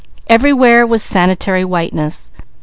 Everywhere was sanitary whiteness.